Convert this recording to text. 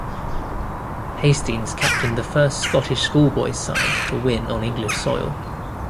Hastings captained the first Scottish schoolboys' side to win on English soil.